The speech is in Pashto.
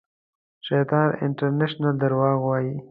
شیطان انټرنېشنل درواغ وایي